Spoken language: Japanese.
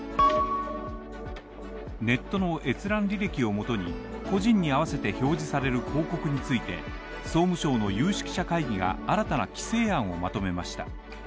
ネットの閲覧履歴をもとに、個人に合わせて表示される広告について、総務省の有識者会議が新たな規制案をまとめました。